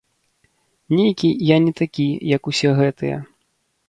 Нейкі я не такі, як усе гэтыя.